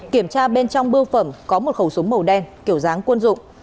kiểm tra bên trong bưu phẩm có một khẩu súng màu đen kiểu dáng quân dụng